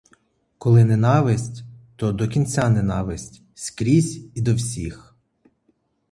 Коли ненависть, то до кінця ненависть, скрізь і до всіх.